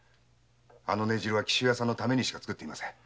あの根汁は紀州屋さんのためにしか作っていません。